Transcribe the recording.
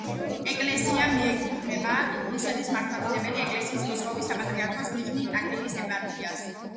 ეკლესია მიეკუთვნება რუსეთის მართლმადიდებელი ეკლესიის მოსკოვის საპატრიარქოს ნიჟნი-ტაგილის ეპარქიას.